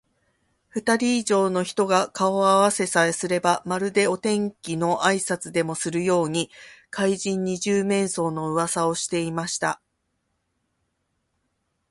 そのころ、東京中の町という町、家という家では、ふたり以上の人が顔をあわせさえすれば、まるでお天気のあいさつでもするように、怪人「二十面相」のうわさをしていました。